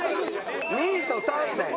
２位と３位なのよ。